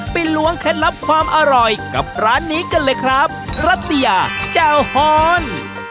ล้วงเคล็ดลับความอร่อยกับร้านนี้กันเลยครับรัตยาแจ่วฮอน